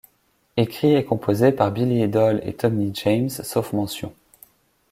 Ecrits et composés par Billy Idol et Tony James sauf mention.